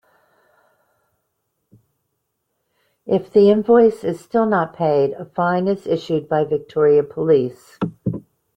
If the invoice is still not paid, a fine is issued by Victoria Police.